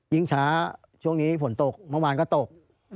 ช้าช่วงนี้ฝนตกเมื่อวานก็ตก